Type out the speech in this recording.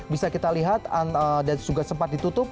bisa kita lihat dan juga sempat ditutup